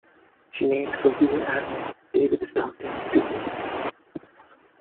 She named for Rear Admiral David Stockton McDougal.